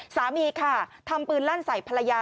สามีค่ะทำปืนลั่นใส่ภรรยา